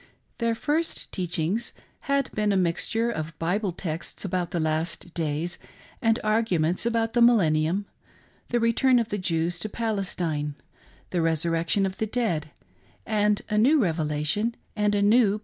Their first teach ings had been a mixture of Bible texts about the last days, and arguments about the millennium, the return of the Jews to Palestine, the resurrection of the dead, and a new revel ation and a new pr